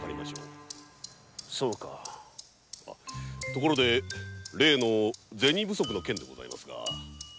ところで例の銭不足の件でございますが。